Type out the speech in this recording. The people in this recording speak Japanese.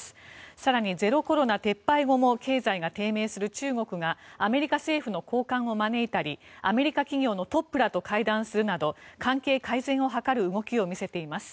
更に、ゼロコロナ撤廃後も経済が低迷する中国がアメリカ政府の高官を招いたりアメリカ企業のトップらと会談するなど関係改善を図る動きを見せています。